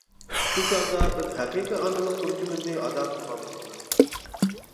شۇ چاغدا بىز ھەقىقىي ئانىلىق بۇرچىمىزنى ئادا قىلغان بولىمىز.